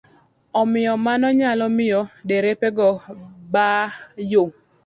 Omiyo mano nyalo miyo derepe go ba yo.